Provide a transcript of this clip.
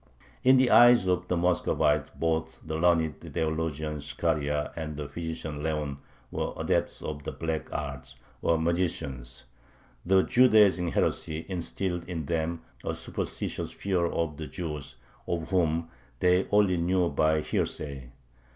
In the eyes of the Muscovites both the learned theologian Skharia and the physician Leon were adepts of the "black art," or magicians. The "Judaizing heresy" instilled in them a superstitious fear of the Jews, of whom they only knew by hearsay.